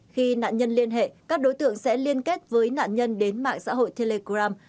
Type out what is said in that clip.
khi nạn nhân liên hệ các đối tượng sẽ liên kết với nạn nhân đến mạng xã hội telegram